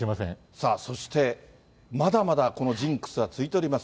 さあ、そして、まだまだこのジンクスは続いております。